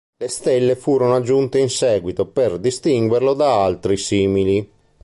Le stelle furono aggiunte in seguito per distinguerlo da altri simili.